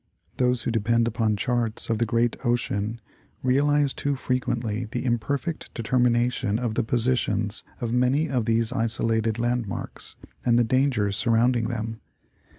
Those who depend upon charts of the great ocean realize too frequently the imperfect determi nation of the positions of many of these isolated landmarks, and the dangers surrounding them.